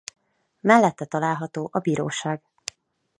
Mellette található a bíróság.